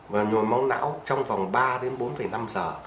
và nhồi máu não trong vòng ba đến bốn năm giờ